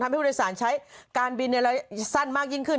ผู้โดยสารใช้การบินในระยะสั้นมากยิ่งขึ้น